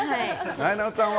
なえなのちゃんは？